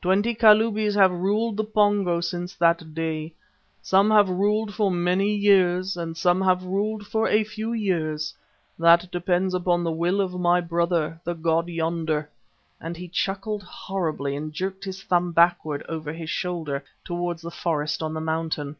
Twenty Kalubis have ruled the Pongo since that day; some have ruled for many years and some have ruled for a few years that depends upon the will of my brother, the god yonder," and he chuckled horribly and jerked his thumb backwards over his shoulder towards the forest on the mountain.